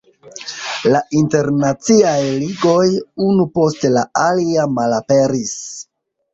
La internaciaj ligoj unu post la alia malaperis.